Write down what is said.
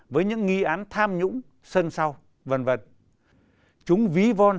với những nghi án tham nhũng sân sao v v